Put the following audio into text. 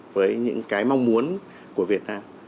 với những cái mong muốn của việt nam